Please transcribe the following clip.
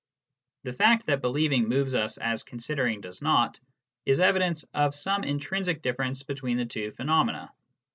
The fact that believing moves us as considering does not, is evidence of some intrinsic difference between the two phenomena.